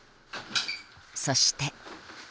そして。